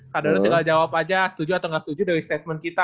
kak dodo tinggal jawab aja setuju atau gak setuju dari statement kita